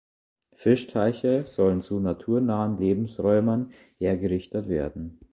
Fischteiche sollen zu naturnahen Lebensräumen hergerichtet werden.